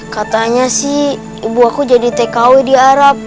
katanya sih ibu aku jadi tkw di arab